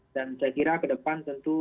dan saya kira ke depan tentu